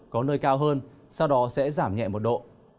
có nơi cao hơn sau đó sẽ giảm nhẹ một độ